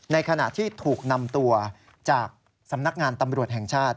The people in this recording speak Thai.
ในขณะที่ถูกนำตัวจากสำนักงานตำรวจแห่งชาติ